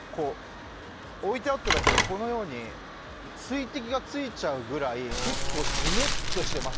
置いてあっただけで、このように水滴がついちゃうぐらい結構じめっとしています。